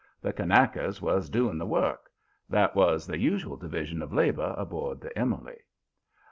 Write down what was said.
The Kanakas was doing the work. That was the usual division of labor aboard the Emily.